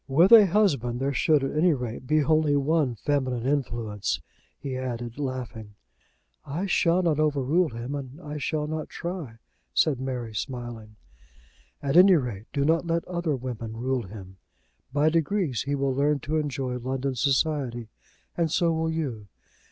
"With a husband there should at any rate be only one feminine influence," he added, laughing. "I shall not over rule him, and I shall not try," said Mary, smiling. "At any rate, do not let other women rule him. By degrees he will learn to enjoy London society, and so will you.